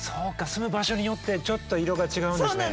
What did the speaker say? すむ場所によってちょっと色が違うんですね。